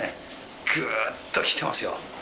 ぐーっときてますよ。